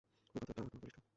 ওই পাথরটা, আর তোমার বালিশটাও।